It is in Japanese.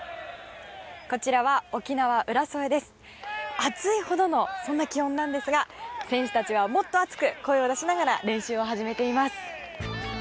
暑いほどのそんな気温なんですが選手たちはもっと熱く声を出しながら練習を始めています。